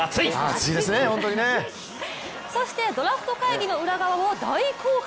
そしてドラフト会議の裏側を大公開。